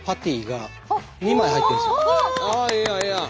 ええやんええやん。